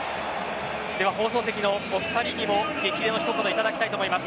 では放送席のお二人にも激励の一言いただきたいと思います。